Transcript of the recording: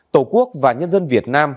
tổ quốc và nhân dân việt nam